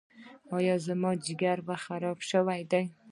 ایا زما ځیګر خراب شوی دی؟